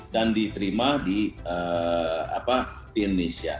dan diterima di indonesia